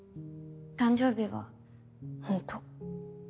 誕生日はホント。